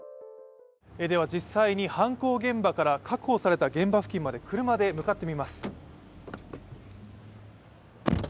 では実際に犯行現場から確保された現場付近まで車で向かってみます。